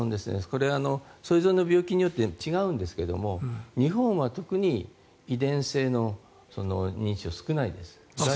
これはそれぞれの病気によって違うんですけども日本は特に遺伝性の認知症は少ないです。